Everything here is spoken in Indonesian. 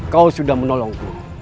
kau sudah menolongku